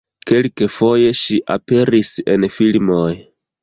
Kelkfoje ŝi aperis en filmoj.